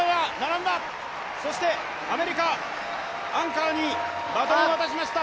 そしてアメリカ、アンカーにバトンを渡しました。